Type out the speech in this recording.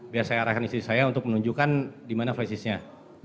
biar saya arahkan istri saya untuk menunjukkan di mana flash isnya